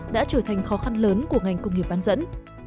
đã trở thành khó khăn lớn của ngành công nghiệp bán dẫn